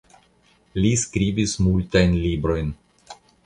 Li skribis multajn librojn.